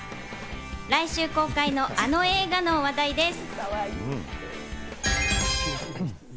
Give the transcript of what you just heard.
来週公開のあの映画の話題です。